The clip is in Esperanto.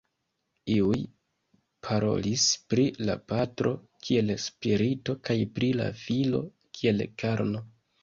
Iuj parolis pri la Patro kiel Spirito kaj pri la Filo kiel "karno".